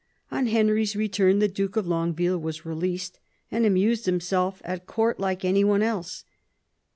On Henry's return the Duke of Longueville was released, and amused himself at Court like any one else.